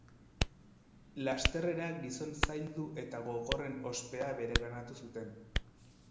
Lasterrera gizon zaildu eta gogorren ospea bereganatu zuten.